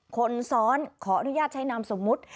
คนซ้อนขออนุญาตใช้นามสมมุติ